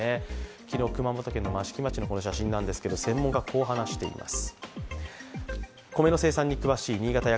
昨日熊本県の益城町の写真ですが、専門家はこう話しています。